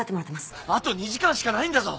あと２時間しかないんだぞ！？